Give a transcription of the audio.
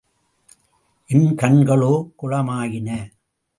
என் கண்களோ குளமாயின.